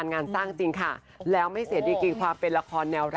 นี่ฉันไม่เลือกจะอย่างหมด